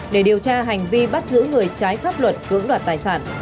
để điều tra hành vi bắt giữ người trái pháp luật cưỡng đoạt tài sản